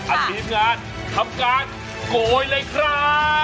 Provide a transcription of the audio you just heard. อัศวินงานทำการโกยเลยครับ